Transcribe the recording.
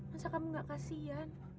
masa kamu gak kasihan